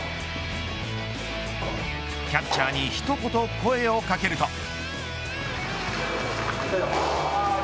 キャッチャーに一言声をかけると。